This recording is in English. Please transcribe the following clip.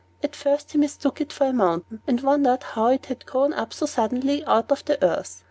At first he mistook it for a mountain, and wondered how it had grown up so suddenly out of the earth.